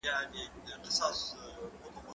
زه پرون نان وخوړل!.